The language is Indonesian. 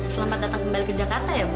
selamat datang kembali ke jakarta ya bu